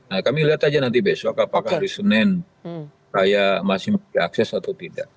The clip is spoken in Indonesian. nah kami lihat aja nanti besok apakah hari senin raya masih memiliki akses atau tidak